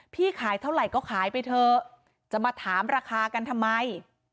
พี่ขายเท่าไหร่ก็ขายไปเถอะจะมาถามราคากันทำไม